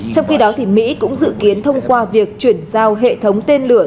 trong khi đó mỹ cũng dự kiến thông qua việc chuyển giao hệ thống tên lửa